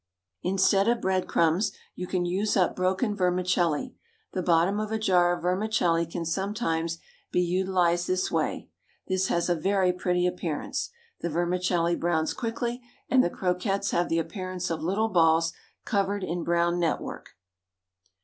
Instead of bread crumbs you can use up broken vermicelli the bottom of a jar of vermicelli can sometimes be utilised this way. This has a very pretty appearance. The vermicelli browns quickly, and the croquettes have the appearance of little balls covered in brown network.